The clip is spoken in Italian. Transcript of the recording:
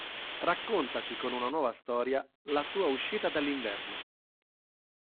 Raccontaci con una nuova storia la tua uscita dall'inverno.